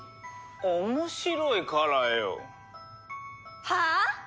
面白いからよ。はあ！？